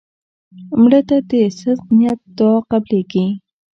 مړه ته د صدق نیت دعا قبلیږي